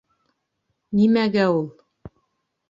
Нимәгә ул?